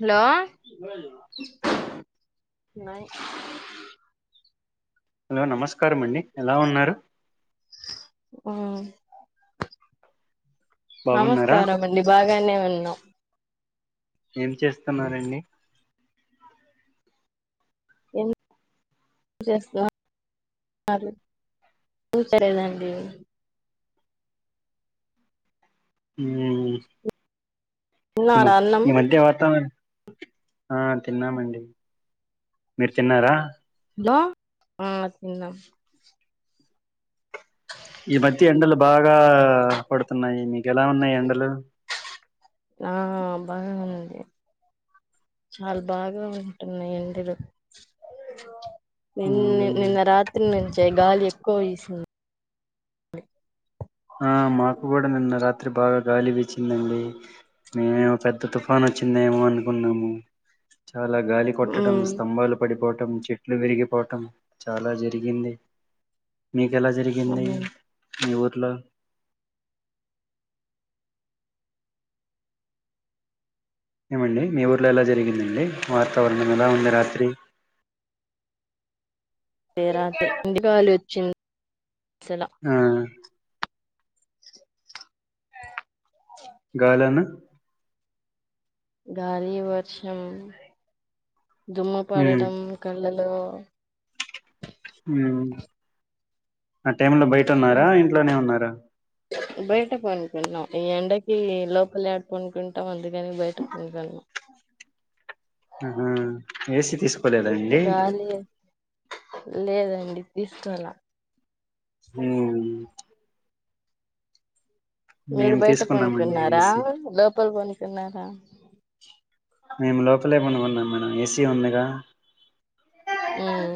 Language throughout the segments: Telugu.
హలో హలో నమస్క నమస్కారం అండి ఎలా ఉన్నారు ఆ బాగున్నారా నమస్కారం అండి బాగానే ఉండి న్ ఏం చేస్తున్నారంండి స్తా చూసలేదండి ఊ ఈ మ తిన్నారా అన్నం ఈ మధ్య వాతావరణం ఆ తిన్నామండి మీరు తిన్నారా ఆ తిన్నం ఈ మధ్య ఎండలు బాగా పడుతున్నాయి మీకు ఎలా ఉన్నాయి ఎండలు ఆ బాగాం వుంది చాలా బాగా ఉంటున్నాయి ఎండలు నిన్న మ్మ్ నిన్న రాత్రి ను తే గాలి ఎక్కువ ఈసింది ఆ మాకు గూడ నిన్న రాత్ర రాత్రి బాగా గాలి వీచ్చిందండి మేమో పెద్ద తుఫాను వచ్చిందేమో అనుకున్నాము చాలా గాలి కొట్టడం మ్మ్ స్తంభాలు పడిపో టం చెట్లు విరిగిపోవటం చాలా జరిగింది మీకు ఎలా జరిగింది మీ ఊర్లో ఏమండి మీ ఊర్లో ఎలా జరిగిందండి వాతావరణం ఎలా ఉంది రాత్రి అంటే రాత్రి ఇంటిలో వాళ్లు వచ్చింద్ ఆ గాల్లనా గాలి వర్షం దుమ్మ ఉమ్ పడడం కలల్ లో మ్మ్ టైమున బయట ఉన్నారా ఇంట్లోనే ఉన్నారా బయట పనుకున్నాం ఈ ఎండకి లోపలేడ పన్కుంకుంటాం అందుకని బయట పన్కున్నాం హు హుమ్మ్ ఏసి తీస్ పోలేదండి గాలి లేదండి తీస్కోలా హు మీరు మేము బయట తీసుకున్నామండి కొనుక్కున్నారా ఏసీ లోపల పన్కున్నార అ మేము లోపలే పనుకున్నాం మేడం ఏసీ ఉందిగా మ్మ్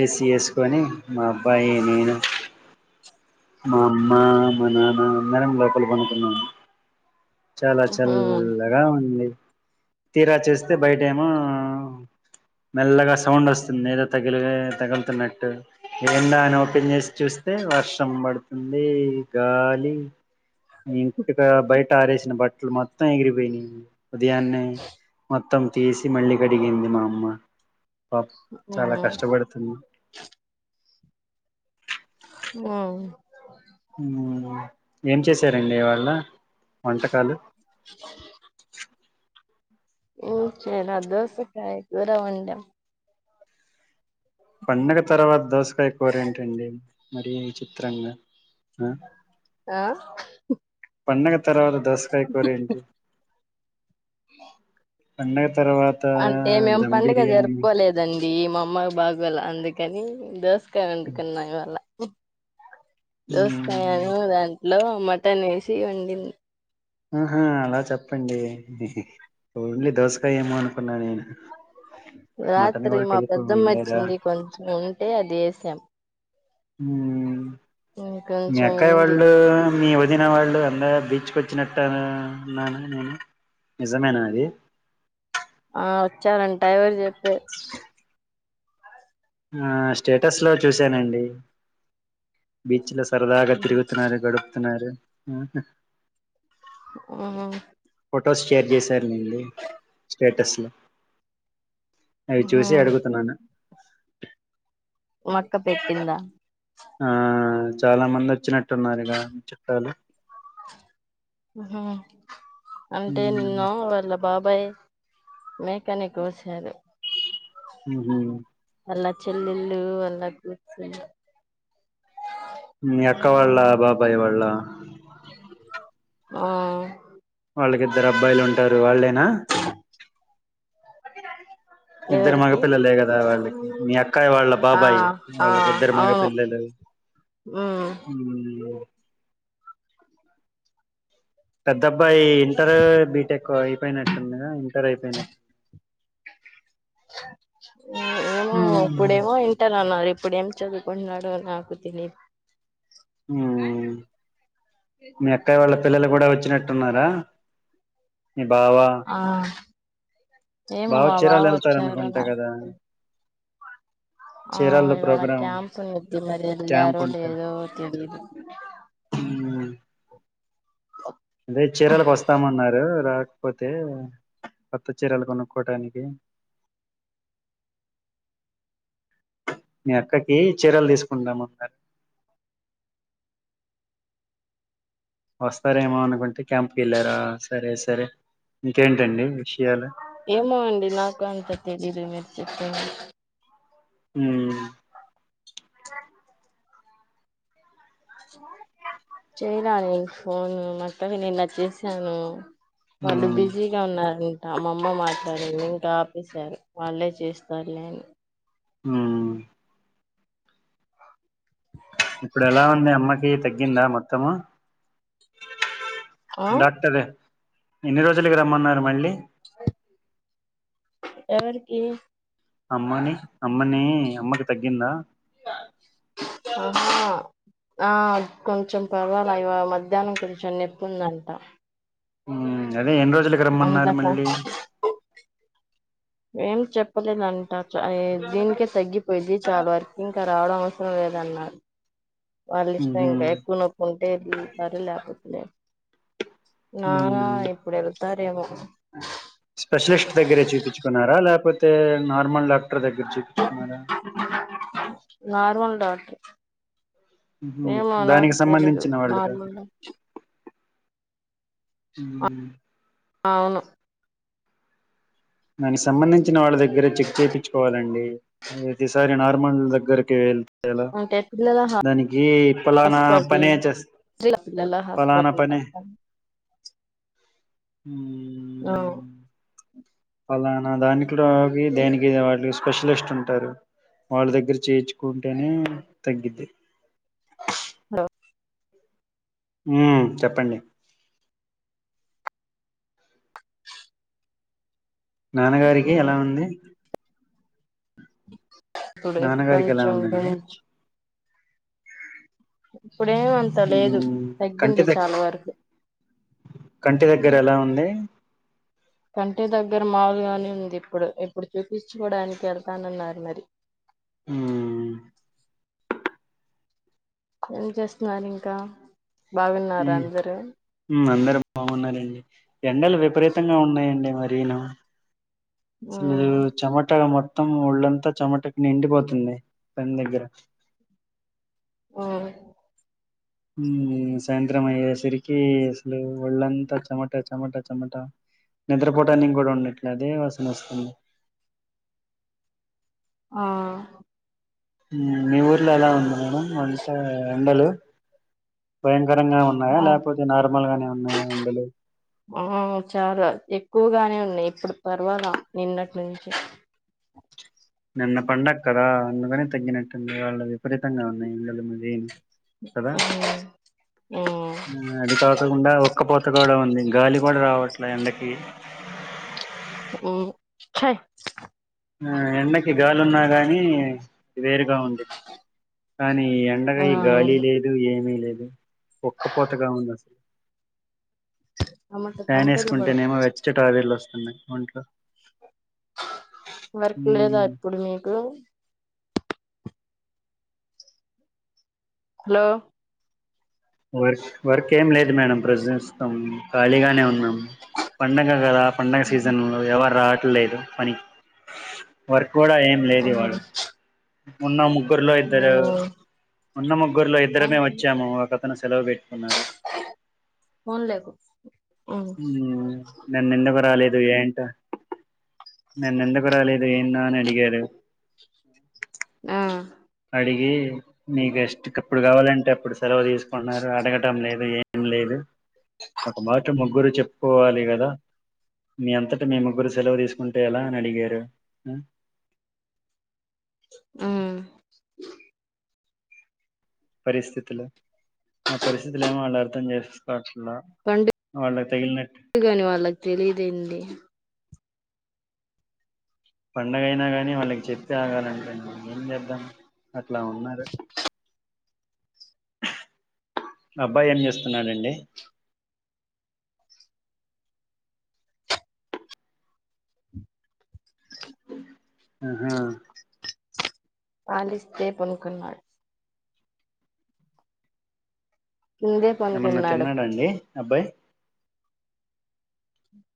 ఏసీ వేసుకొని మా అబ్బాయి నేను మా అమ్మ మా నాన్న అందరం లోపల పనుకున్నాం చాలా ఉహు చల్లగా ఉంది తీరా చూస్తే బయట ఏమో మెల్లగా సౌండ్ వస్తుంది ఏదో తగిలి తగులుతున్నట్టు ఎంద అని ఓపెన్ చేసి చూస్తే వర్షం పడుతుంది గాలి ఇంటికా బయట తారేసిన బట్టలు మొత్తం ఎగిరిపోయినాయి ఉదయానే మొత్తం తీసి మళ్ళి వడిగింది మా అమ్మ పాప్ చాలా ఉమ్ కష్టపడుతున్నా ఆ మ్మ్ ఏం చేసారండిఇవాళ వంటకాలు హ్మ్మ్ చేే అ దవస క అయ దూరవంట పండగ తర్వాత దోసకాయ కూరేంటండి మరి విచిత్రంగా హా ఆ పండగ తర్వాత దసకాయ కోర ఏంటి పండగ తర్వాత అంటే మేము దమ్ పండుగ బిర్యానీ జరుపుకోలేదండి మా అమ్మయి బాగోల అందుకే కానీ దోస అండుకున్న ఇయ్యాల దోసకాయని వు దాన్ని లో మటన్ వేసి వండింది ఆహా అలా చెప్పండి ఓన్లీ దోసకాయ ఏమో అనుకున్నా నేను మటన్ రాత్రి కూడా మా టెలిఫోన్ పెద్దమ్మ వినలేదా వచ్చింది కొంచెం ఉంటే అది వేసాం హ్మ్మ్ మీ ఇంకొంచెం అక్కయ ఉంది వాళ్ళు మీ వదిన వాళ్ళు అందే బీచ్కు చ్చినట్టున్నాను నేను నిజమేనా అది ఆ వచ్చారంట ఎవరు చెప్పే ఆ స్టేటస్ లో చూసానండి బీచ్ లో సరదాగా తిరుగుతున్నారు గడుపుతున్నారు హు హ్మ్మ్ హు హు ఫొటోస్ షేర్ చేశారు లేండి స్టేటస్లో అవి ఉహు చూసి అడుగుతున్నాను మా అక్క పెట్టిందా ఆ చాలా మంది వచ్చినట్టున్నారుగ చుట్టాలు హు హ్మ్మ్ అంటే ఉమ్, నిన్న వాళ్ళ బాబాయ్ మేకాని కోశారు హు హ్మ్మ్ అల్లా చెల్లల్లు అల్లా కూర్చ మీ అక్క వాళ్ళ బాబాయి వాళ్ళ ఆ వాళ్ళకిద్దరు అబ్బాయిలు ఉంటారు వాళ్ళేనా [inaudible] ఇద్దరు మగ ఎవరికి పిల్లలే కదా వాళ్ళకి మీ అక్కాయి వాళ్ళ ఆ బాబాయ్ ఆ వాళ్ళకి ఇద్దరు అవును మగపిల్లలు ఉమ్ పెద్దబ్బాయి ఇంటర్ బీటెక్ అయిపోయినట్టుందిద ఇంటర్ అయిపోయినట్టు ఏమో ఇప్పుడేమో ఇంటర్ అన్నారు ఇప్పుడు ఏం చదువుకుంటన్నాడు నాకు తెలియదు ఉమ్ మీ అక్కయయి వాళ్ళ పిల్లలు కూడా వచ్చినట్టున్నారా మీ బావా అర బావ చీరాలు వెళ్తార అనుకుంట కదా ఆ చీరాల్లో ఇవాళ ప్రోగ్రాం క్యాంప్నిది మరి క్యాంప్ ఎల్ళారో ఉంటది లేదో తెలిదు మ్మ్ అదే చీరలకు వస్తామన్నారు రా లేకపోతే కొత్త చీరలు కొనుక్కోటానికి మీ అక్కకి చీరలు తీసుకుంటాము అన్నారు వస్తారేమో అనుకుంటే క్యాంప్కి వెళ్ళారా సరే సరే ఇంకేంటండి విషయాలు ఏమో అండి నాక్ అంతా తెల్ మీరు చెప్పేది ఉమ్ అ చేయలా నే ఫోను మాత్తవి నిన్నటివి చేసాను వాళ్ళు ఉమ్ బిజీగా ఉన్నారు అమ్మమ్మ మాట్లాడింది ఇంకా ఆపేసారు వాళ్ళే చేస్తారులేని హామ్ ఇప్పుడు ఎలా ఉంది అమ్మకి తగ్గి తగ్గిందా మొత్తము ఆ డాక్టరు ఎన్ని రోజులకి రమ్మన్నారు మళ్ళీ ఎవరికి అమ్మని అమ్మని అమ్మకి తగ్గిందా ఆహా ఆ కొంచెం పర్వాల ఇవ మధ్యాహ్నం కు చెం నప్పు ఉందంట ఉ అ అదే ఎన్ని రోజులకి రమ్మన్నారు మళ్ళీ ఏం చెప్పలేదంట దీనికే తగ్గిపోయిద్ది చాలా వరకు ఇంకా రావడం వ ఏం లేదన్నా వాళ్ళ ఇష్టం ఉహు ఇంకా ఎక్కువ నొప్పి ఉంటే వెళతారు లేకపోతేలే నారా ఉమ్ ఇప్పుడు తరేమో స్పెషలిస్ట్ దగ్గరే చూపించుకున్నారా లేపో లీకపోతే నార్మల్ డాక్టర్ దగ్గర చూపించుకున్నారా నార్మల్ డాక్టర్ ఉహు ఏమో నాకు దానికి తెలీదు సంబంధించిన మా వాళ్ళు కాదు అమ్మ హమ్ అవును దానికి సంబంధించిన వాళ్ళ దగ్గరే చెక్ చేయించుకోవాలండి ప్రతిసారి నార్మల్ దగ్గరకి వెళ్త అంటే పిల్లలా పలానా హాస్పటిల్ పనే చేస్ పక్కన పిల్లల పలానా హాస్పిటల్ పనే ఆ ఫలానా దానికి దానికిద వాళ్ళు స్పెషలిస్ట్ ఉంటారు వాళ్ళు దగ్గర చేయిు కుంటేనే తగ్గిది హలో ఉమ్ చెప్పండి నాన్నగారికి ఎలా ఉంది ఇప్పుడే నాన్నగారికి ఎలా కొంచెం ఉందండి కొంచెం ఇప్పుడేమంత లేదు మ్మ్ కంటి తగ్గింది దగ్ చాలా వరకు కంటి దగ్గర ఎలా ఉంది కంటి దగ్గర మాములుగానే ఉంది ఇప్పుడు ఇప్పుడు చూపించుకోవడానికి వెళ్తానన్నారు మరి ఆమ్ ఏం చేస్తున్నారు ఇంకా బాగున్నారు అందర మ్మ్ అందరు బాగున్నారండి ఎండలు విపరీతంగా ఉన్నాయండి మరీను అసలు ఉమ్ చమటగా మె మొత్తం ఒళ్ళంతా చెమటకి నిండిపోతుంది పని దగ్గర ఆమ్ హమ్ సాయంత్రం అయ్యేసరికి అసలు ఒళ్ళంతా చెమట చెమట చెమట నిద్రపోటానికి కూడా ఉండట్లే అదే వసన వస్తుంది ఆ మీ ఊర్లో ఎలా ఉంది మేడం వంట ఎండలు కరంగా ఉన్నాయా ఆ లేకపోతే నార్మల్ గానే ఉన్నాయా ఎండలు ఆ చాలా ఎక్కువగానే ఉన్నాయి ఇప్పుడు పర్వాలా నిన్నటి నుంచి నిన్న పండగ కదా అందుకని తగ్గినట్టుడి వాళ్ళు విపరీతంగా ఉన్నాయి ఇళ్లలో వేడి కదా ఉమ్ ఉమ్ అది కాకుండా ఒక్కపోత కొక్క కూడా ఉంది గాలి కూడా రావట్లే ఎండకి హ్మ్మ్ ఆ ఎండకి గాలున్నా గాని వేరుగా ఉందింది కానీ ఆ ఎండగాయ గాలి అవును లేదు ఏమీ లేదు ఉక్క పూతగా ఉంది అసలు చెమట ఫ్యాన్ చెమటలు వేసుకుంటేనేమో పడుతున్నాయి వెచ్చటి ఆవిరులు వస్త హ్మ్మ్ ఇంట్లో వర్క్ లేదా ఇప్పుడు మీకు హలో వర్క్ వర్క్ ఏం లేదు మేడం ప్రజెంట్ ఖాళీగానే ఉన్నాం పండగ కదా పండగ సీజన్ ఎవ రా లేదు పని వర్క్ కూడా ఏం లేదు ఉహు వాడు ఉన్న ముగ్గురులో ఇద్దరు అవునా? ఉన్న ముగ్గురులో రామ్ ఇద్దరమే పల్లి, వచ్చాము ఒక సెలవు పెట్టుకున్నారు ఫోన్ లేకు ఉమ్ హ్మ్మ్ నిన్నెందుకు రాలేదు ఏంట నిన్న ఎందుకు రాలేదు ఏన్నా అని అడిగారు ఆ అడిగి మీకుస్ట్ప్పుడు కావాలంటే అప్పుడు సెలవు తీసుకున్నారు అడగటం లేదు ఏం లేదు ఒక మాట ముగ్గురు చెప్ పోవాలి కదా మీ అంతట మీ ముగ్గురు సెలవు తీసుకుంటే ఎలా అని అడిగారు హ్మ్మ్ ఉమ్ పరిస్థితులు మా పరిస్థితులు ఏమో వాళ్ళు అర్థం చేసుకోరు పండుగ పండుగాని వాళ్ళకి తెలీదేందీ పండుగ అయినా కానీ వాళ్ళకి చెప్తే ఆగాలంటండి మే ఏం చేద్దాం అట్లా ఉన్నారు అబ్బాయి ఏం చేస్తున్నానండి ఆహా పాలిస్తే పడుకున్నాడు కిందే ఏమన్నా పనుకున్నాడు తిన్నాడాండి అబ్బాయి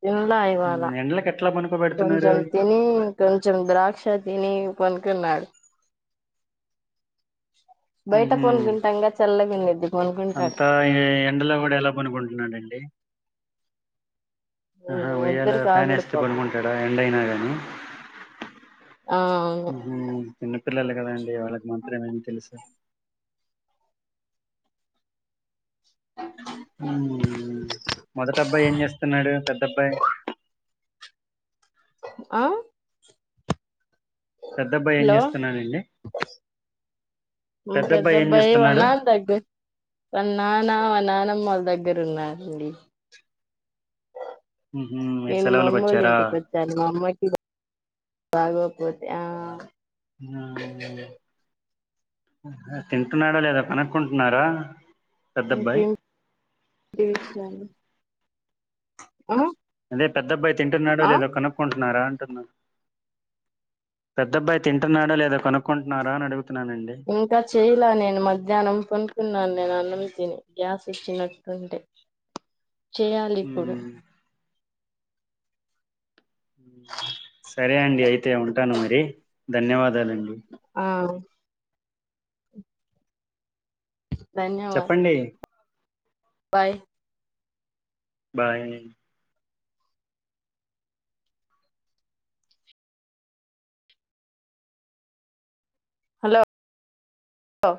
నిన్న ఉమ్, ఇవాళ ఎండలకు ఎట్లా పనుకోబెడుతున్నారు కొంచెం తిని కొంచెం ద్రాక్ష తిని పండుకున్నాడు బయట ఉహు పనుకుంటాంగా చల్లగా ఉండిద్ది పనుకుంటాడు అంతా ఎండలో కూడా ఎలా పనుకుంటున్నాడండి ఆహా వెయ్యేలా నిద్దరికి ఫ్యాన్ ఆగడు వేస్తే పాపం కొనుకుంటాడా ఎండ్ అయినా కానీ ఆ అవును ఉహు నిన్న పిల్లలని కనే ఇగ వాళ్ళకి మాత్రమేమి తెలుసు ఊ మొదట అబ్బాయి ఏం చేస్తున్నాడు పెద్దబ్బాయి ఆ పెద్ద అబ్బాయి ఏం హలో చేస్తున్నాడండి ఉ పెద్ద అబ్బాయి ఏం పెద్దబ్బాయి వాళ్ల చేస్తున్నాడు దగ్గర వాళ్ల నాన్న వాళ్ల నాన్నమ్మోళ్ళ దగ్గర దగ్గర ఉన్నారండి ఉహు మీరు నేను మా సెలవులకు అమ్మోల్ల వచ్చారా ఇంటికి వచ్చాను మా అమ్మకి బాగో పోతే ఆ ఆ ఉ తింటున్నాడా లేదా కనుక్కుంటున్నారా పెద్దబ్బాయి ఓకే తీర్స అ మీ పెద్దబ్బాయి తో తింటున్నాడు లేదో కనుక్కుంటున్నారా పెద్దబ్బాయి తింటున్నాడా లేదా కొనుక్కుంటున్నారా అని అడుగు ఇంకా చేయలా నేను మధ్యాహ్నం పనుకున్నాను నేను అన్నమే తిని గ్యాస్ వచ్చినటుంటే చేయాలి ఇప్పుడు హ్మ్. సరే అండి అయితే ఉంటాను మరి ధన్యవాదాలండి ఆ ధన్యవాద చెప్పండి బాయ్ బాయ్ ఓ